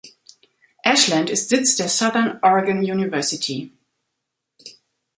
Ashland ist Sitz der Southern Oregon University.